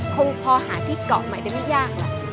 คงพอหาที่เกาะใหม่ได้ไม่ยากหรอก